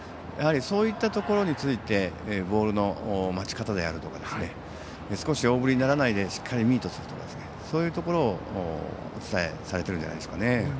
そういったところについてボールの待ち方であるとか大振りにならないでしっかりミートするとかそういうところをお伝えしているんだと思います。